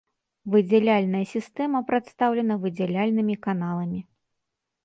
Выдзяляльная сістэма прадстаўлена выдзяляльнымі каналамі.